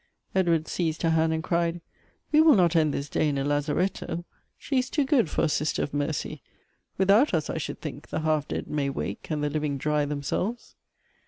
Ed ward seized her hand, and cried, " We will not end this day in a lazaretto. She is too good for a sister of mercy. Without us, I should think, the half dead may wake, and the living dry themselves."